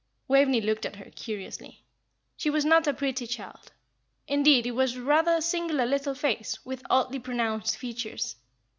Waveney looked at her curiously; she was not a pretty child indeed, it was rather a singular little face, with oddly pronounced features.